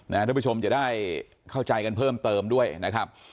ทุกผู้ชมจะได้เข้าใจกันเพิ่มเติมด้วยนะครับ